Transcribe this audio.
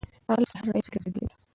هغه له سهاره راهیسې ګرځېدلی دی.